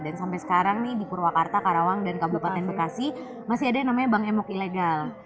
dan sampai sekarang nih di purwakarta karawang dan kabupaten bekasi masih ada yang namanya bank emok ilegal